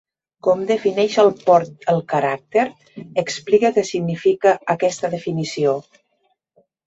Com defineix Allport el caràcter? Explica què significa aquesta definició.